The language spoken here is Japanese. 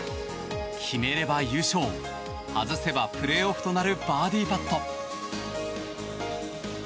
決めれば優勝外せばプレーオフとなるバーディーパット。